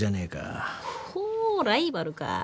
ほうライバルか。